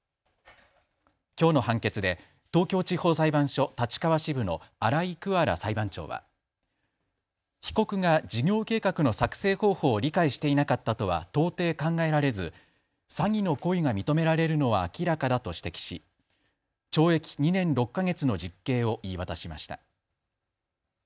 きょうの判決で東京地方裁判所立川支部の新井紅亜礼裁判長は被告が事業計画の作成方法を理解していなかったとは到底考えられず詐欺の故意が認められるのは明らかだと指摘し懲役２年６か月の実刑を言い渡しました。